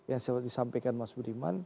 yang disampaikan mas budiman